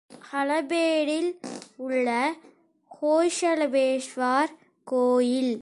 ஹலபேடில் உள்ள ஹொய்சலேஸ்வரர் கோயில்.